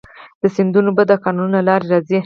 د سیندونو اوبه د کانالونو له لارې راځي.